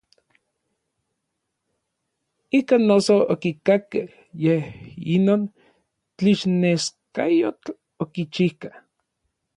Ikan noso okikakkej yej inon tlixneskayotl okichijka.